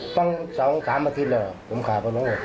ตั้งสองสามเมื่อทีแล้วผมข้าบนนู้ก